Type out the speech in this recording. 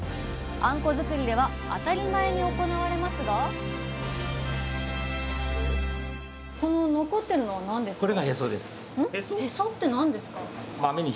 あんこづくりでは当たり前に行われますがへそって何ですか？